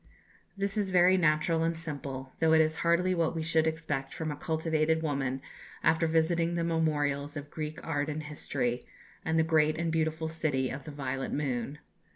This is very natural and simple, though it is hardly what we should expect from a cultivated woman after visiting the memorials of Greek art and history, and the great and beautiful city of the "violet moon."